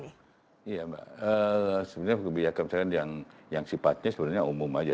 iya mbak sebenarnya kebijakan kebijakan yang sifatnya sebenarnya umum aja